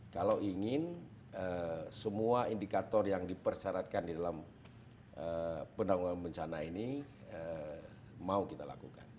kalau ingin semua indikator yang dipersyaratkan di dalam penanggulangan bencana ini mau kita lakukan